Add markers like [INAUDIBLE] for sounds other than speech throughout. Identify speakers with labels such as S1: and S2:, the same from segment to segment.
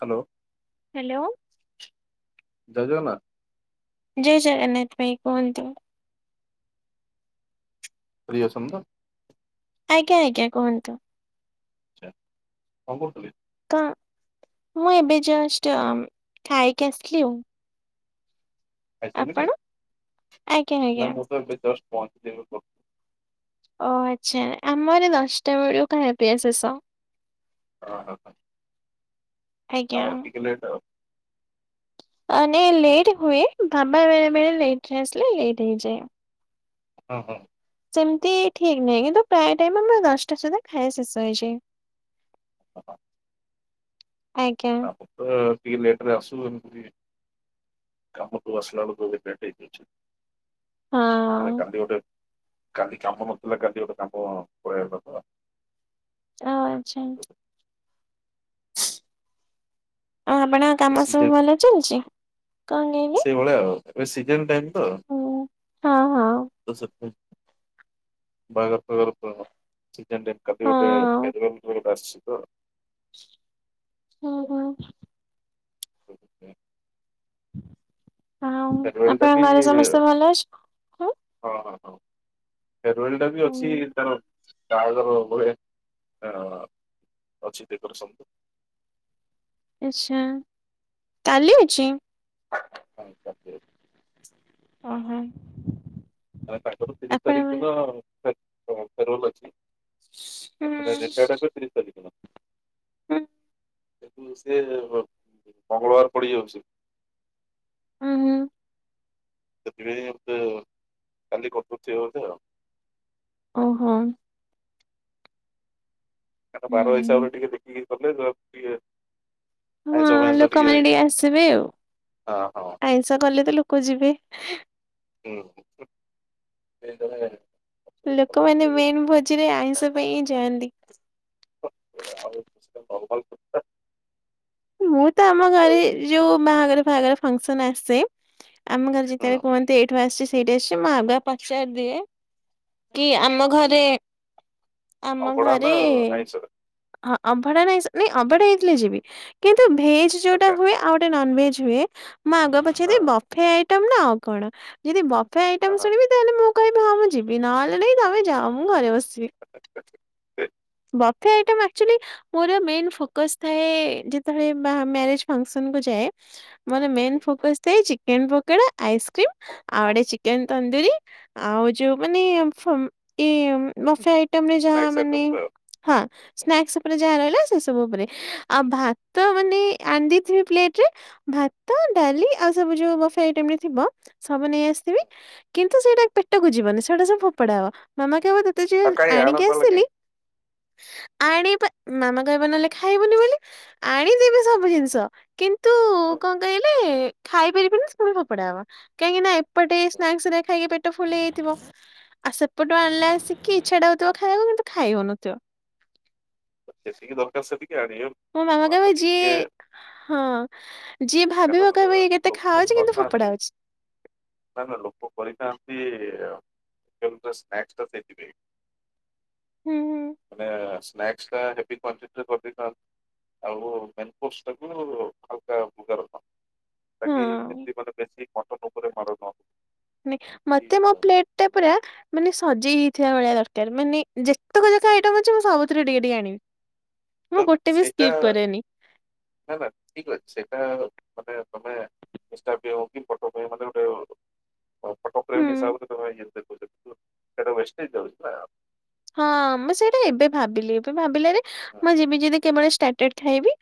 S1: Hello
S2: hello
S1: ଜୟ ଜଗନ୍ନାଥ।
S2: ଜୟ ଜଗନ୍ନାଥ ଭାଇ କୁହନ୍ତି।
S1: ବୁଲି ଯାଉଛନ୍ତି ତ
S2: ଆଜ୍ଞା ଆଜ୍ଞା କୁହନ୍ତୁ।
S1: ଆଚ୍ଛା ଆମ ହୋଟେଲ।
S2: କ ମୁଁ ଏବେ ଜଷ୍ଟ ଖାଇକି ଆସଥିଲି।
S1: ଖାଇସାରିଲଣି
S2: ଆଜ୍ଞା ଆଜ୍ଞା।
S1: ନା ମୁଁ ତ ଏବେ ଜଷ୍ଟ ପହଞ୍ଚିଲି ଏବେ ଗ
S2: ଓ ଆଚ୍ଛା ଆମର ଦଶଟା ବେଳକୁ ଖାଇବା ପିଇବା ଶେଷ।
S1: ଓ ହୋ ହ
S2: ଆଜ୍ଞା।
S1: ଆମାର ଟିକେ ଲେଟ ଆଉ।
S2: ନାଇ ଲେଟ୍ ହୁଏ ବାବା ବେଳେ ବେଳେ ଲେଟ୍ ଆସିଲେ ଲେଟ୍ ହେଇଯାଏ।
S1: ହଁ ହଁ
S2: ସେମିତି ଠିକ୍ ନାହିଁ କିନ୍ତୁ ପ୍ରାୟ ଟାଇମ ଆମେ ଦଶଟା ସୁଦ୍ଧା ଖାଇବା ଶେଷ ହେଇଯାଏ।
S1: [INAUDIBLE]
S2: ଆଜ୍ଞା।
S1: ଆମେ ତ ଟିକେ ଲେଟ ରେ ଆସିବୁ ଏମତି କାମକୁ ଆସିଲା ବେଳକୁ ଟିକେ ଲେଟ ହେଇଯାଉଛି।
S2: ହଁ
S1: ହେଲେ କାଲି ଗୋଟେ କାଲି କାମ ନଥିଲା କାଲି ଗୋଟେ କାମ ପଳେଇଆସିଲା ତ।
S2: ଆଛା। ଆପଣଙ୍କ କାମ ସବୁ
S1: ସିଜନ
S2: ଭଲ ଚାଲିଛି? କଣ କି
S1: [UNINTELLIGIBLE] ସିଜନ୍ ଟାଇମ୍ ତ
S2: ହଁ ହଁ
S1: ସେଥିପାଇଁ ବାହାଘର
S2: ହଁ।
S1: ଫାହାଘାର [UNINTELLIGIBLE]
S2: ଓହୋ।
S1: ଓକେ।
S2: ଆଉ
S1: ଫେରୱାଲ ଟା ବି
S2: ଆପଣଙ୍କ ଘରେ ସମସ୍ତେ ଭଲ ଅଛନ୍ତି?
S1: ହଁ ହଁ ଫେରୱେଲଟା ବି ଅଛି ତାର। [UNINTELLIGIBLE] ଅ ଅଛି ଡେକୋରେସନ।
S2: ଆଛା, କାଲି ଅଛି?
S1: ହଁ କାଲି ଅଛି।
S2: ଓହୋ।
S1: ତାଙ୍କର ତିରିଶ
S2: ଆପଣ ହୁଁ
S1: ତାରିଖ ଦିନ ଫେ -ଫେରୋଲ ଅଛି। ରିଟାଏଡ୍ ହେବେ ତିରିଶି ତାରିଖ ଦିନ।
S2: ହୁଁ।
S1: କିନ୍ତୁ ସିଏ ମଙ୍ଗଳବାର ପଡିଯାଉଛି।
S2: ହୁଁ ହୁଁ।
S1: ସେଥିପାଇଁ ବୋଧେ ଖାଲି କରିଦଉଥିବେ ବୋଧେ ଆଉ?
S2: ଓହୋ।
S1: ତାଙ୍କ ବାର
S2: ହୁଁ।
S1: ହିସାବରେ ଟିକେ ଦେଖିକି କଲେ, ଟିକେ ଆଇଁଷ
S2: ହଁ
S1: ଫାଇଁଷ
S2: ଲୋକମାନେ
S1: ଇଏ
S2: ଟିକେ ଆସିବେ ଆଉ?
S1: ହଁ ହଁ
S2: ଆଇଁଷ କଲେ ତ ଲୋକ ଯିବେ।
S1: ହଁ ହେଇଥିବେ
S2: ଲୋକମାନେ ମେନ୍ ଭୋଜିରେ ଆଇଁଷ ପାଇଁ ହିଁ ଯାଆନ୍ତି।
S1: ଏବେ ଆଉ କିଛିଟା ନିର୍ମାଲ କଥା।
S2: ମୁଁ ତ ଆମ
S1: ଆଉ
S2: ଗାଁରେ ଯୋଉ ବାହାଘର ଫାହାଘର ଫଙ୍କସନ ଆସେ? ଆମ ଗାଁରେ ଯେତେବେଳେ
S1: ହୁଁ
S2: କୁହନ୍ତି? ତମେ ଆସି ସେଇଠି ଆସିଛି ମୁଁ ଆଗୁଆ ପଚାରି ଦିଏ କି, ଆମ ଘରେ ଆମ
S1: ଅବଢ଼ା
S2: ଘରେ
S1: ନା ଆଇଁଷ
S2: ହଁ ଅଭଢା ନାଇଁ ନାଇଁ ଅବଢା ହେଇଥିଲେ ଯିବି। କିନ୍ତୁ ଭେଜ ଯୋଉଟା
S1: ଆଚ୍ଛା
S2: ହୁଏ। ଆଉ ଗୋଟେ ନନଭେଜ ହୁଏ ମୁଁ ଆଗ
S1: ହଁ
S2: ପଚାରିବି ବଫେ ଆଇଟମ ନା ଆଉ କଣ? ଯଦି ବଫେ
S1: ହଁ
S2: ଆଇଟମ୍
S1: ହଁ
S2: ଶୁଣିବି ତାହେଲେ ମୁଁ କହିବି ହଁ ମୁଁ ଯିବି, ନହେଲେ ନାଇ ତମେ ଯାଅ ମୁଁ ଘରେ ବସିିଛି। ବପ ବଫେ ଆଇଟମ ଆଚ୍ୟୁଲି ମୋର ମେନ୍ ଫୋକସ୍ ଥାଏ ଯେତ ଯେତେବେଳେ ବାହା ମ୍ୟାରେଜ୍ ଫଙ୍କସନ୍ କୁ ଯାଏ, ମୋର ମେନ୍ ଫୋକସ୍ ଥାଏ ଚିକ ଚିକେନ୍ ପକୋଡ।, ଆଇସିକ୍ରିମ, ଆଉ ଗୋଟେ ଚିକେନ ତନ୍ଦୁରି। ଆଉ ଯୋଉ ମାନେ ଫୁ ମ ଟି ବଫେ ଆଇଟମରେ ଯାହା
S1: ସ୍ନାକ୍ସ
S2: ମାନେ
S1: ଆଇଟମ୍ ଆଉ
S2: ହଁ, ସ୍ନାକ୍ସ ଉପରେ ଯାହା ରହିଲା ସେ ସବୁ ଉପରେ ଆଉ ଭା ତ ମାନେ ଆଣି ଦେଇଥିବି ପ୍ଳେଟରେ ଭାତ, ଡାଲି ଆଉ ସବୁ ଯେଉଁ ବଫେ ଆଇଟମ୍ ରେ ଥିବ? ସବୁ ନେଇ ଆସିଥିବି କିନ୍ତୁ ସେଇଟା ପେଟକୁ ଯିବନି ସେଇଟା ସବୁ ଫୋପଡା ହବ। ମାମା କହିବି ତତେ
S1: ଆଉ
S2: ଯାହା
S1: କାଇଁ
S2: ଆଣିକି
S1: ଆଣନ୍ତାହେଲେ କାଇଁ
S2: ଆସଲି ଆଣିବା, ମାମା କହିବ ନହେଲେ ଖାଇବୁନି ବୋଲି। ଆଣିଥିବି ସବୁ ଜିନିଷ କିନ୍ତୁ କଣ କହିଲେ? ଖାଇ ପାରିବିନି ସବୁ ଫୋପଡା ହବ। କାହିଁକି ନା ଏପଟେ ସ୍ନାକ୍ସ ଅରିକା ଖାଇକି ପେଟ ଫୁଲ ହେଇଯାଇଥିବ। ଆଉ ସେପଟୁ ଆଣିଲେ ଆସିକି ଇଚ୍ଛା ଟା ହଉଥିବ ଖାଇବାକୁ କିନ୍ତୁ ଖାଇ ହଉନଥିବ।
S1: ଯେତିକି ଦରକାର ସେତିକି ଆଣିବେ?
S2: ମୋ ମାମା
S1: ମାତ୍ର
S2: କହିବ
S1: ଟିକେ
S2: ଯିଏ, ହଁ। ଯିଏ ଭାବିବ କହିବ ଇଏ କେତେ
S1: ଲୋକ
S2: ଖାଉଛି? କିନ୍ତୁ
S1: କରିଥାନ୍ତି
S2: ଫୋପଡ଼ା ହଉଛି।
S1: ନା ନା ଲୋକ କରିଥାନ୍ତି କିନ୍ତୁ ସ୍ନାକ୍ସଟା ସେଇଥିପେଇଁ।
S2: ହୁଁ ହୁଁ।
S1: ମାନେ ସ୍ନାକ୍ସଟା ହେବି କ୍ବାଣ୍ଟିଣ୍ଟିରେ କରି ଦେଇଥାନ୍ତ୍ ଆଉ ମେନ୍ କୋର୍ସଟାକୁ ହାଲକା ଫୁଲକା ରଖ। ତାକି
S2: ହଁ
S1: [UNINTELLIGIBLE] ବେଶୀ [UNINTELLIGIBLE]
S2: ନେ ମତେ ମୋ
S1: କି
S2: ପ୍ଲେଟଟା ପୁରା ମାନେ ସଜେଇ ହେଇଥିବା ଭଳିଆ ଦରକାର ମାନେ ଯେତକ ଜାକ ଆଇଟମ୍ ଅଛି ମୁଁ ସବୁଥିରୁ ଟିକେ ଟିକେ ଆଣିବି। ମୁଁ
S1: ତ
S2: ଗୋଟେ ବି
S1: ସେଇଟା
S2: ସ୍କିପ୍ କରେନି।
S1: ନା ନା ଠିକ ଅଛି ସେଟା ମାନେ ତମେ ଇଷ୍ଟା ପେଇଁ ହଉ କି ଫଟୋ ପାଇଁ ମାନେ ଗୋଟେ ଅ ଫଟୋ ପ୍ରେମ୍
S2: ହୁଁ।
S1: ହିସାବରେ ତ ଇଏ ଦେଖଉଚନ୍ତି [UNINTELLIGIBLE] ସେଟା ୱେସଟେଜ ଯାଉଛି ନା।
S2: ହଁ ମୁଁ ସେଇଟା ଏବେ ଭାବିଲି ଏବେ ଭାବିଲାରେ ମୁଁ ଯବି ଯଦି କେବଳ ଷ୍ଟାଟର୍ ଖାଇବି।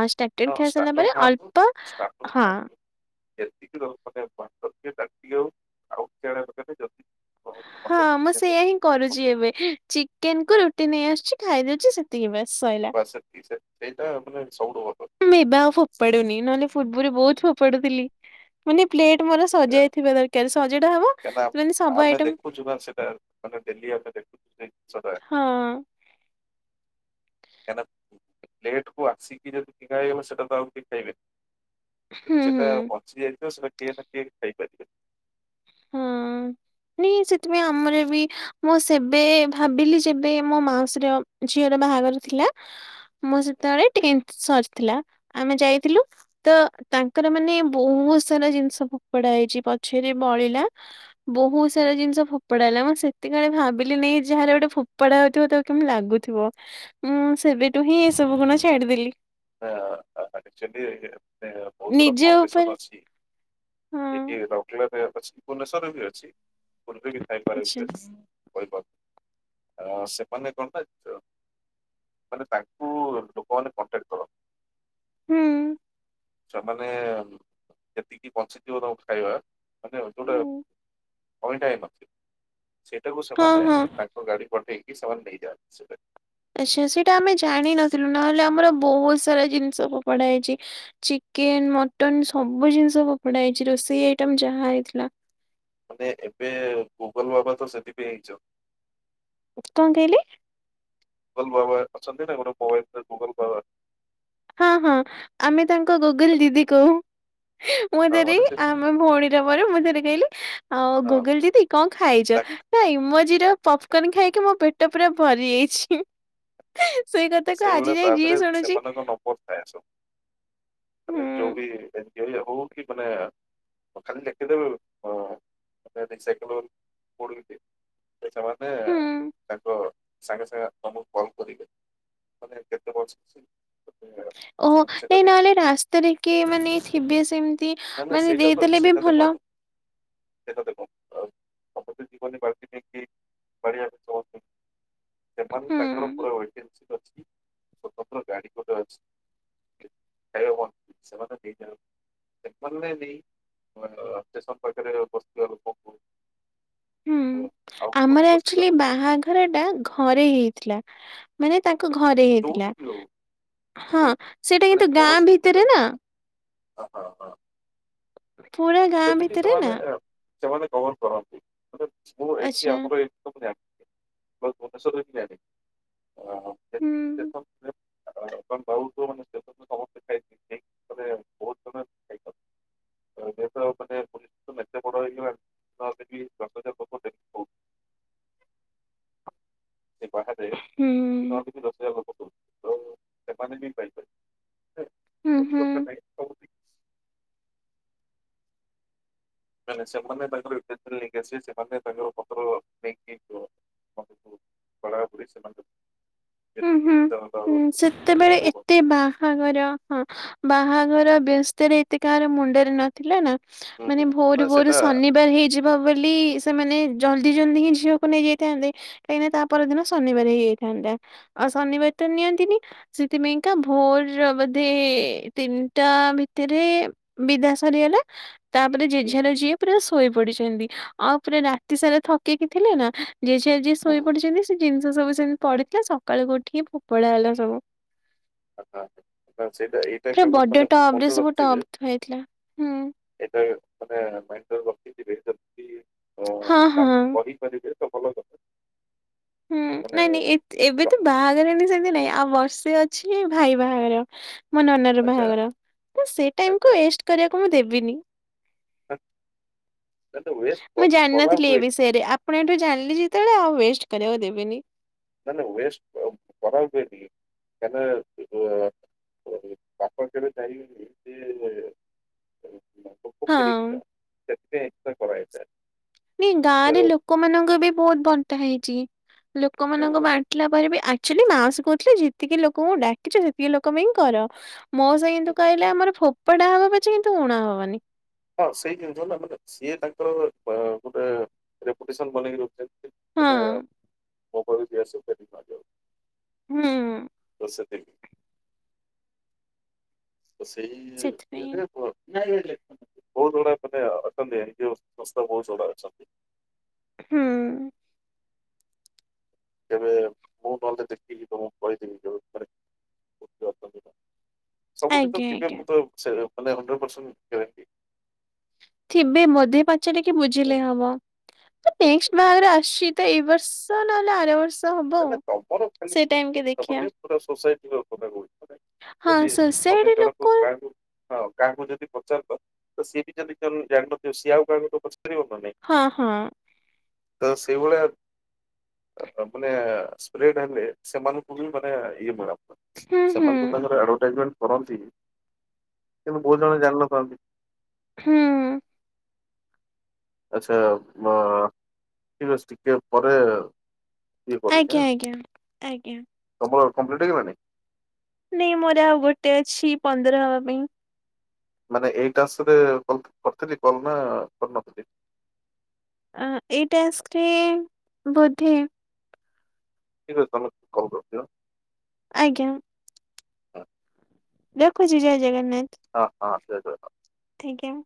S2: ଆଉ ଷ୍ଟାଟର୍
S1: ହଁ
S2: ଖାଇ ସାରିଲା
S1: ଷ୍ଟାର୍ଟର
S2: ପରେ
S1: ଖାଆନ୍ତୁ
S2: ଅଳ୍ପ
S1: ଷ୍ଟାର୍ଟର
S2: ହଁ।
S1: ଖାଆନ୍ତୁ ଯେତିକି ହଉ ମାନେ ଭାତ କି ଡାଲି ଟିକେ ହଉ ଆଉ [UNINTELLIGIBLE] ଯଦି ପସନ୍ଦ
S2: ହଁ ମୁଁ ସେଇଆ ହିଁ କରୁଚି ଏବେ। ଚିକେନକୁ ରୁଟି ନେଇଆସୁଛି ଖାଇଦେଉଛି ସେତିକି ବାସ୍ ସଇଲା।
S1: ବାସ୍ ସେତିକି ସେ ସେଇଟା ମାନେ ସବୁଠଉଁ ଭଲ।
S2: ମୁଁ ଏବେ ଆଉ ଫୋପାଡୁନି ନହେଲେ ପୂର୍ବୁରୁ ବୋହୁତ ଫୋପାଡୁଥିଲି। ମାନେ ପ୍ଲେଟ୍ ମୋର
S1: ସେଇଟା
S2: ସଜା ହେଇଥିବା ଦରକାର ସଜଟା ହବ
S1: କାହିଁକି ନା
S2: ମାନେ ସବୁ ଆଇଟମ୍
S1: [UNINTELLIGIBLE] ମାନେ ଡେଲି ଆମେ ଦେଖୁଛୁ [UNINTELLIGIBLE] ସଦାବେଳେ।
S2: ହଁ
S1: କାହିଁନା ପ୍ଲେଟକୁ ଆସିକି ଯଦି ଫିଙ୍ଗା ହେଇହବ ସେତେବେଳୁକୁ ଆଉ କେଇ ଖାଇବେନି।
S2: ହୁଁ
S1: ସେଟା
S2: ହୁଁ।
S1: ବଞ୍ଚି ଯାଇଥିବ ସେଟା କିଏ ନା କିଏ ଖାଇପାରିବେ।
S2: ନି ସେଥିପାଇଁ ଆମର ବି ମୁଁ ସେବେ ଭାବିଲି ଯେବେ ମୋ ମାଉସୀର ଝିଅର ବାହାଘର ଥିଲା। ମୋ ସେତେବେଳେ ଟେନ୍ଥ ସରିଥିଲା ଆମେ ଯାଇଥିଲୁ। ତ ତାଙ୍କର ମାନେ ବୋହୁତ ସାରା ଜିନିଷ ଫୋପଡା ହେଇଛି ପଛେରେ ବଳିଲା ବୋହୁତ ସାରା ଜିନିଷ ଫୋପଡା ହେଲା ମୁଁ ସେତିକିବେଳେ ଭାବିଲି ନାଇଁ ଯାହାର ଗୋଟେ ଫୋପଡା ହଉଥିବ ତାକୁ କେମିତି ଲାଗୁ ଥିବ ମୁଁ ସେବେଠୁ ହିଁ ଏସବୁକୁନା ଛାଡିଦେଲି।
S1: ହଁ ଆ ଆ ଆକ୍ଚୁଏଲି ଏ ଏବେ ବୋହୁତ ବଡ
S2: ନିଜ ଉପରେ
S1: କମ୍ପିଡସନ୍ ଅଛି। ଏଠି
S2: ହଁ
S1: [UNINTELLIGIBLE] ଅଛି ଭୁବନେଶ୍ଵରରେ ବି ଅଛି ପୁରୀ ବି
S2: ଆଚ୍ଛା
S1: ଖାଇପାରିବେ। କହିପାରୁ ଆ ସେମାନେ କଣଟା [UNINTELLIGIBLE] ମାନେ ତାଙ୍କୁ ଲୋକମାନେ କଣ୍ଟାକ୍ଟ କର
S2: ହୁଁ।
S1: ସେମାନେ ଯେତିକି ବଞ୍ଚିଥିବ ତାଙ୍କ ଖାଇବା ମାନେ ଯୋଉଟା ଅଇଁଠା ହେଇନଥିବ ସେଇଟାକୁ
S2: ହଁ
S1: ସେମାନେ
S2: ହଁ
S1: ତାଙ୍କ ଗାଡି ପଠେଇକି ସେମାନେ ନେଇଯାଆନ୍ତି ସେଇଟା।
S2: ଆଛା ସେଇଟା ଆମେ ଜାଣିନଥିଲୁ ନହେଲେ ଆମର ବୋହୁତ ସାରା ଜିନିଷ ଫୋପଡା ହେଇଚି। ଚିକେନ ମଟନ ସବୁ ଜିନିଷ ଫୋପଡା ହେଇଛି ରୋଷେଇ ଆଇଟମ୍ ଯାହା ହେଇଥିଲା।
S1: ମାନେ ଏବେ ଗୁଗଲ୍ ବାବା ତ ସେଥିପାଇଁ ହେଇଚ।
S2: କଁ କହିଲେ?
S1: ଗୁଗଲ୍ ବାବା ଅଛନ୍ତି ନା ଗୋଟେ ମୋବାଇଲରେ ଗୁଗଲ୍ ବାବା।
S2: ହଁ ହଁ ଆମେ ତାଙ୍କ ଗୁଗୁଲ୍ ଦିଦି କହୁ ମୁଁ ଥରେ
S1: ମାନେ ସେ
S2: ଆ ମୋ ଭଉଣୀର ମୋର ମୁଁ ଥରେ କହିଲି ଆଉ
S1: ହଁ
S2: ଗୁଗୁଲ୍ ଦିଦି କଁ ଖାଇଚ ନା ଇମୋଜିର ପପକନ୍ ଖାଇକି ମୋ ପେଟ ପୁରା ଭରି ଯାଇଛି। ସେଇ କଥାକୁ ଆଜି ଯାଏ ଯିଏ ଶୁଣୁଚି
S1: [UNINTELLIGIBLE] ତାକୁ ନା ଯୋଉ
S2: ହୁଁ
S1: ବି ଏନ୍ ଜି ଓ ରେ ହଉ କି ମାନେ ହଁ ଖାଲି ଲେକିଦେବ ଅଁ [UNINTELLIGIBLE] ତ ସେମାନେ
S2: ହୁଁ
S1: ତାଙ୍କ ସାଙ୍ଗେ ସାଙ୍ଗେ ତମୁକୁ କଲ୍ କରିବେ। ମାନେ କେତେ ବଞ୍ଚିଛି।
S2: ଓହୋ ନାଇ ନହେଲେ ରାସ୍ତାରେ କିଏ ମାନେ ଥିବେ ସେମ ତି
S1: ନା ନା
S2: ମାନେ
S1: ସେଇଟା
S2: ଦେଇଦେଲେ ବି ଭଲ।
S1: ସେତ ଦେଖୁଁ ଅଁ ସବୁ କିଛି କହିନେ ଚାଲୁଚି ଠିକି ପରିବାର ଚଳୁ [UNINTELLIGIBLE] ସେମାନେ ତାଙ୍କର
S2: ହୁଁ
S1: ପୁରା [UNINTELLIGIBLE] ଅଛି ସ୍ୱତନ୍ତ୍ର ଗାଡି ଗୋଟେ ଅଛି। ଆରେ ହଁ ସେମାନେ ବିନା ସେମାନେ ବି [UNINTELLIGIBLE] ଅବଜେକ୍ସନ କରିପାରିବେ [UNINTELLIGIBLE] ବସଥିବା ଲୋକଙ୍କୁ।
S2: ହୁଁ
S1: ଆଉ କୋଉଠି
S2: ଆମର
S1: ବସିଥିବା
S2: ଆକଚୋଲି
S1: ଲୋକଙ୍କୁ
S2: ବାହାଘରଟା ଘରେ ହେଇଥିଲା। ମାନେ ତାଙ୍କ ଘରେ ହେଇଥିଲା
S1: ଯୋଉଠି ବି ହଉ
S2: ହଁ
S1: କୋଉଠି
S2: ସେଇଟା କିନ୍ତୁ ଗାଁ ଭିତରେ ନା।
S1: ଓହୋ ହୋ।
S2: ପୁରା ଗାଁ
S1: ସେତିକି
S2: ଭିତରେ
S1: ସେମାନେ
S2: ନା
S1: ସେମାନେ କଭର କରନ୍ତି କିନ୍ତୁ ମୁଁ ଏଇଠି
S2: ଆଚ୍ଛା
S1: ଆମର ଏଇ ସବୁ ଜାଣି ମୁଁ ଭୁବନେଶ୍ଵରରୁ ବାକି ଜାଣେ ଅଁ
S2: ହୁଁ
S1: ସେଠି ଷ୍ଟେସନ୍ ଆ ହଁ ତମେ ବୋହୁତ ମାନେ ଷ୍ଟେସନରୁ ତମୁ [UNINTELLIGIBLE] ତମେ ବୋହୁ [UNINTELLIGIBLE] ଆମେ ତ ଏପଟେ ତମେ ଏତେ ବଡ ହେଇଗଲାଣି ଭାବିଥିଲି ଦଶ ହଜାର [UNINTELLIGIBLE] ସେ ବାହାରେ
S2: ହୁଁ
S1: ବାହାରେ ବି ଦଶହଜାର [UNINTELLIGIBLE] ତ ସେମାନେ ବି ପାଇପାରବେ। ହେ
S2: ହୁଁ
S1: ମୋଦି
S2: ହୁଁ।
S1: ସରକାର ପାଇଁ ସବୁଠି ନାଇଁ ନାଇଁ ସେମାନେ ତାଙ୍କର ଏକାଥରେ ନେଇକି ଆସିବେ ସେମାନେ ତାଙ୍କର ପତ୍ର ନେଇକି [UNINTELLIGIBLE] ପଢାପୁଢି ସେମାନେ ଯ
S2: ଉଁ ହୁଁ ହୁଁ
S1: କି
S2: ସେତେବେଳେ
S1: ଲୋକ
S2: ଏତେ
S1: ହୁଅନ୍ତୁ
S2: ବାହା ହାଘର ହଁ ବାହାଘର ବ୍ୟସ୍ତରେ ଏତେ କାହାର ମୁଣ୍ଡରେ ନ ଥିଲା ନା
S1: ହୁଁ
S2: ମାନେ
S1: ହୁଁ ନା
S2: ଭୋରୁ ଭୋରୁ
S1: ସେଟା
S2: ଶନିବାର ହେଇଯି ବ ବୋଲି ସେମାନେ ଜଲଦି ଜଲଦି ହିଁ ଝିଅକୁ ନେଇ ଯାଇଥାନ୍ତେ କାହିଁକିନା ତା ପରଦିନ ଶନିବାର ହେଇ ଯାଇଥାନ୍ତା ଆଉ ଶନିବାର ତ ନିଅନ୍ତିନି ସେଇଥି ପାଇଁକା ଭୋର ବୋଧେ ତିନିଟା ଭିତରେ ବିଦା ସରିଗଲା ତାପରେ ଯେଝାର ଯିଏ ପୁରା ଶୋଇ ପଡିଚନ୍ତି ଆଉ ପୁରା ରାତି ସାରା ଥକିକି ଥିଲେ ନା ଯିଏ ଯାହା ଯିଏ ଶୋଇ ପଡିଚନ୍ତି ସେ ଜିନିଷ ସବୁ ସେମତି ପଡିଥିଲା ସକାଳୁକୁ ଉଠିକି ଫୋପଡା ହେଲା ସବୁ।
S1: କଥା ଅଛି, ହିଁ ସେଇ ତ ଏଇ।
S2: ହେ ବଡ ଟବରେ ସବୁ ଟବ୍ ହେଇଥିଲା ହୁଁ।
S1: ଏଇଟା ମାନେ [UNINTELLIGIBLE] ବସିଥିବେ ସେମତି
S2: ହଁ ହଁ।
S1: କଣ ନେଇଥିବେ ଚପଲ ଆଉ [UNINTELLIGIBLE]
S2: ହୁଁ ନାଇଁ ନାଇଁ ଏ ଏବେ ତ ବାହାଘର ଏମତି ସେମତି ନାଇଁ ଆଉ ବର୍ଷେ ଅଛି ଭାଇ ବାହାଘର। ମୋ ନନାର
S1: ଆଚ୍ଛା
S2: ବାହାଘର ତ ସେ ଟାଇମକୁୁ
S1: ଆଚ୍ଛା
S2: ୱେଷ୍ଟ କରିବାକୁ ମୁଁ ଦେବିନି।
S1: ତାନ୍ ତାନେତ ୱେଷ୍ଟ କରି କରାହୁଏ।
S2: ସେରେ ଆପ ଆପଣ ଏଠୁ ଜାଣଲି ଯେତେବେଳେ ଆଉ ୱେଷ୍ଟ କରିବାକୁ ଦେବେନି।
S1: ନା ନା ୱେଷ୍ଟ କ କରାହବ କେମତି କି କାରଣ ଉଁ ଓହୋ ତ ଆପଣ କେବେ ଚାହିଁବେନି ଯେ ସିଏ ଓହୋ ଫୋକସ କରିକି
S2: ହଁ।
S1: [UNINTELLIGIBLE] ସେଥିପାଇଁ [UNINTELLIGIBLE] କରା ହେଇଥାଏ।
S2: ନାଇଁ ଗାଁରେ ଲୋକମାନଙ୍କ ବି ବୋହୁତ ବଣ୍ଟା ହେଇଚି ଲୋକମାନଙ୍କ ବାନ୍ ଆସିଲା ପରେ ବି ଆକଚୋଲି ମାଉସୀ କୋହୁଥିଲେ ଯେତିକି ଲୋକଙ୍କୁ ଡାକିଚ ସେତିକି ଲୋକଙ୍କ ପାଇଁ କର। ମଉସା କିନ୍ତୁ
S1: ତ
S2: କହିଲେ ଆମର ଫୋପଡା ହବ ପଛେ କିନ୍ତୁ ଊଣା ହବନି।
S1: ହଁ ସେଇ ଜିନଷ ନା ମାନେ ସିଏ ତାଙ୍କର ଗୋଟେ ରେପୁଟେସନ୍ ବନେଇକି ରଖୁଚନ୍ତି। ସେ ମାନେ
S2: ହଁ
S1: ମୋ ପୁଅ [UNINTELLIGIBLE]
S2: ହୁଁ।
S1: ସେତିକି। ତ ସେଇ
S2: ସେଥିପାଇଁ
S1: ଦିଅନ୍ତି ନା ପୁଅ ନାଇଜେରିଆରେ ଥିଲେ ବହୁତ ଗୁଡା ମାନେ ଅଛନ୍ତି ଏନ୍ ଜି ଓ ସଂସ୍ଥା ବହୁତ ଗୁଡା ଅଛନ୍ତି।
S2: ହୁଁ।
S1: ତେବେ ମୁଁ ନହେଲେ ଦେଖିକି ତମକୁ କହିଦେବି ଯୋଉ [INAUDIBLE] ଥରେ କରିଦେବି। ସବୁଠି ତ
S2: ଆଜ୍ଞା
S1: ଥିବେ
S2: ଆଜ୍ଞା।
S1: ମୁଁ ତ ସେ ମାନେ ହଣ୍ଡ୍ରେଟ ପରସେଣ୍ଟ ଗେରେଣ୍ଟି।
S2: ଥିବେ ମଧେ ପାଞ୍ଚେ ଟିକେ ବୁଝିଲେ ହବ ନେଷ୍ଟ ବାହାଘରେ ଆସଚି ତ ଏଇ ବର୍ଷ ନହଲେ ଆର ବର୍ଷ ହବ ଆଉ।
S1: ନା-ନା ତମର ଖାଲି
S2: ସେ
S1: [INAUDIBLE]
S2: ଟାଇମ କି
S1: ପୁରା
S2: ଦେଖିବା
S1: ଅନ୍ୟ ସୋସାଇଟିର କଥାକୁ ନାହିଁ
S2: ହଁ
S1: ଯଦି ତମେ
S2: ସୋସାଇଟି
S1: ଜଣକୁ
S2: ଲୋକ
S1: ଗାଁ କୁ ହଁ କାହାକୁ ଯଦି ପଚାରିବ ତ ସିଏ ବି କାଲି କାଲ୍ ଜାଣିନଥିବ ସିଏ ଆଉ କାହାକୁ ପଚାରିବ ନା ନାଇଁ?
S2: ହଁ ହଁ।
S1: ତ ସେଇ ଭଳିଆ ଆ ଆମ୍ ମାନେ ସ୍ପ୍ରେଡ ହେଲେ ସେମାନଙ୍କୁ ବି ମାନେ ଇଏ ମିଳ
S2: ହୁଁ ହୁଁ
S1: ସେମାନଙ୍କୁ ତାଙ୍କର ଆଡଭାଟାଇଜମେଣ୍ଟ କରନ୍ତି କିନ୍ତୁ ବହୁତ ଜଣ ଜାଣିନଥାନ୍ତି।
S2: ହୁଁ।
S1: ଆଚ୍ଛା ମା ଠିକ ଅଛି ଟିକେ ପରେ ଇଏ କରୁଚି
S2: ଆଜ୍ଞା
S1: ଆଁ
S2: ଆଜ୍ଞା ଆଜ୍ଞା।
S1: ତମର କମ୍ପ୍ଲିଟ୍ ହେଇଗଲାଣି?
S2: ନାଇଁ ମୋର ଆଉ ଗୋଟେ ଅଛି ପନ୍ଦର ହବା ପାଇଁ।
S1: ମାନେ ଏଇ ଟାସ୍କ ରେ କଲ କରିଥିଲି କଲ ନା କରିନଥିଲି?
S2: ଆଁ ଏଇ ଟାସ୍କରେ ବୋଧେ।
S1: ଠିକ୍ ଅଛି ତମେ କଲ କରିଦିଅ।
S2: ଆଜ୍ଞା। ରଖୁଛି ଜୟ ଜଗନ୍ନାଥ।
S1: ହଁ-ହଁ ଜୟ ଜଗନ୍ନାଥ।
S2: Thank you.